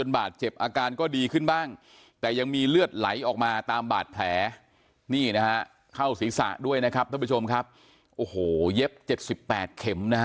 วาดแผนนี่นะฮะเข้าศีรษะด้วยนะครับท่านผู้ชมครับโอ้โหเย็บเฉ็ดสิบแปดเข็มนะฮะ